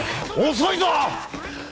遅いぞっ！！